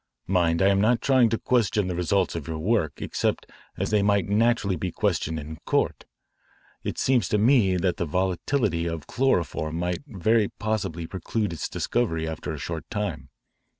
Mind, I am not trying to question the results of your work except as they might naturally be questioned in court. It seems to me that the volatility of chloroform might very possibly preclude its discovery after a short time.